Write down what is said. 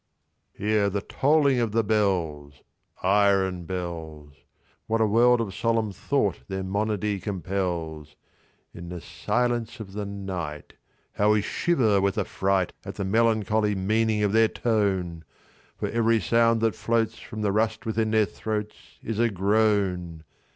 IV. Hear the tolling of the bells— Iron bells! What a world of solemn thought their monody compels! In the silence of the night, How we shiver with affright At the melancholy meaning of their tone! For every sound that floats From the rust within their throats Is a groan.